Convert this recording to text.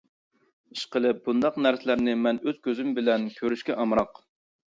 ئىشقىلىپ بۇنداق نەرسىلەرنى مەن ئۆز كۆزۈم بىلەن كۆرۈشكە ئامراق.